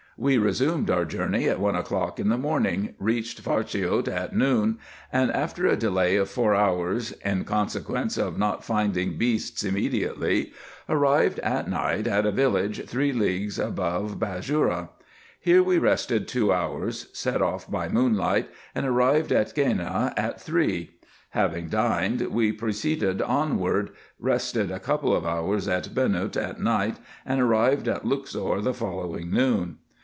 We resumed our journey at one o'clock in the morning, reached Farshiout at noon, and after a delay of four hours, in consequence of not finding beasts immediately, arrived at night at a village three leagues above Bad joura. Here we rested two hours, set off by moonlight, and arrived at Gheneh at three. Having dined, we proceeded onward, rested a couple of hours at Benut at night, and arrived at Luxor the following noon.